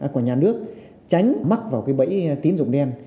của nhà nước tránh mắc vào cái bẫy tín dụng đen